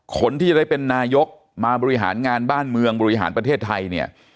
คนที่จะได้เป็นนายกมาบริหารงานบ้านเมืองบริหารประเทศไทยเนี่ย